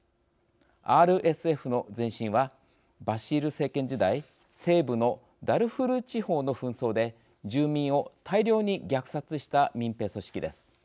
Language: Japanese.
ＲＳＦの前身はバシール政権時代西部のダルフール地方の紛争で住民を大量に虐殺した民兵組織です。